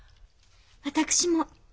私も。